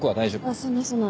あっそんなそんな。